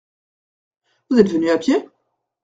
Vous êtes venu à pied ?